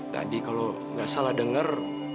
tadi kalau nggak salah dengar